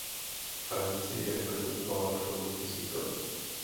Francii reprezentoval na přelomu tisíciletí.